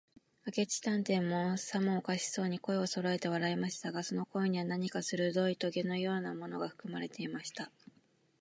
明智探偵も、さもおかしそうに、声をそろえて笑いましたが、その声には、何かするどいとげのようなものがふくまれていました。